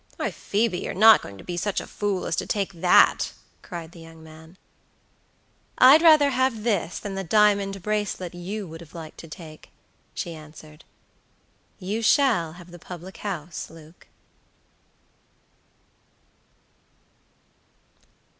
"Why, Phoebe, you're not going to be such a fool as to take that," cried the young man. "I'd rather have this than the diamond bracelet you would have liked to take," she answered; "you shall have the public house, Luke."